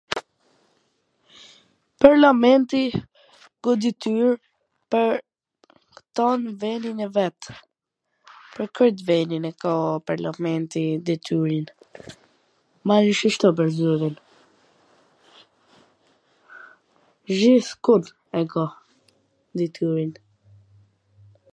Parlamenti ka detyr pwr tan venin e vet, pwr krejt venin e ka Parlamenti detyrin, mana shishto pwr zotin. Xhithkun e ka detyrin.